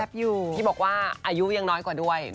ที่บอกว่าอายุยังน้อยกว่าด้วย